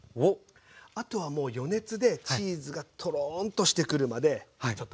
あとはもう余熱でチーズがトロンとしてくるまでちょっと待ちますという感じです。